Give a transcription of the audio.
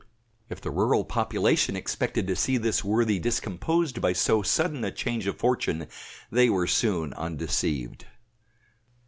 If the rural population expected to see this worthy discomposed by so sudden a change of fortune, they were soon undeceived.